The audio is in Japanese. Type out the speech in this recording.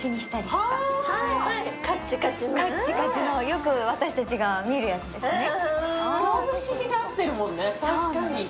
よく私たちが見るやつですね。